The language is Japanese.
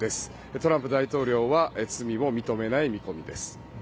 トランプ大統領は罪を認めない見込みです。